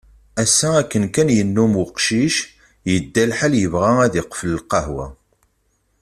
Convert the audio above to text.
Ass-a akken kan yennum uqcic, yedda lḥal yebɣa ad iqfel lqahwa.